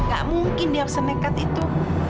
gak mungkin dia senekat itu